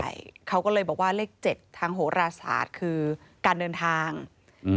ใช่เขาก็เลยบอกว่าเลขเจ็ดทางโหราศาสตร์คือการเดินทางอืม